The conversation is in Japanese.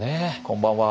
こんばんは。